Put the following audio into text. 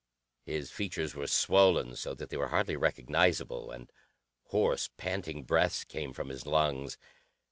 His features were swollen so that they were hardly recognizable, and hoarse, panting breaths came from his lungs.